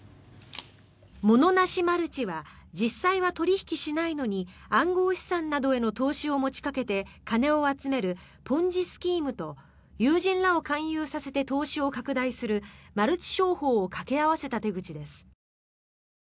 モノなしマルチは実際は取引しないのに暗号資産などへの投資を持ちかけて金を集めるポンジ・スキームと友人らを勧誘させて投資を拡大するマルチ商法を掛け合わせた手口です。